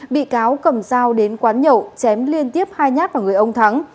bị cáo cầm dao đến quán nhậu chém liên tiếp hai nhát vào người ông thắng